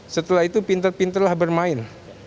setelah itu pinter pinter lah bermain